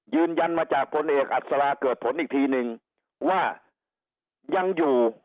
ยืนยันมาจากพลเอกอัศราเกิดผลอีกทีนึงว่ายังอยู่